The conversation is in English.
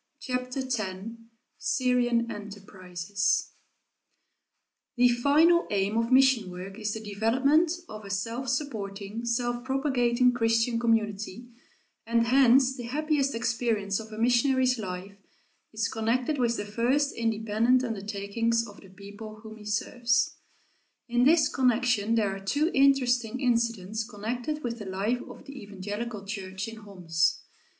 CHAPTER X SYRIAN ENTERPRISES The final aim of mission work is the development of a self supporting, self propagating Christian community, and hence the happiest experience of a missionary's life is connected with the first independent undertakings of the people whom he serves. In this connection there are two interesting incidents connected with the life of the evangelical church in Homs.